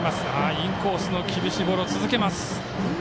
インコースの厳しいボールを続けます。